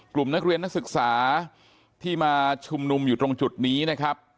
กลุ่มนักเรียนนักศึกษาที่มาชุมนุมอยู่ตรงจุดนี้นะครับ